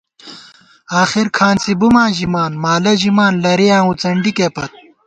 آخېر کھانڅی بُماں ژِمان، مالہ ژِمان لَرِیاں وُڅنڈِکےپت